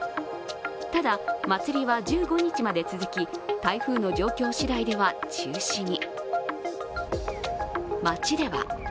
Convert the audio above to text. ただ、祭りは１５日まで続き台風の状況次第では中止に。